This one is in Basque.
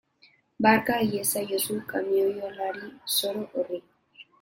Barka iezaiozu kamioilari zoro horri.